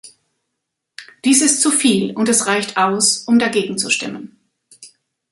Dies ist zuviel, und es reicht aus, um dagegen zu stimmen.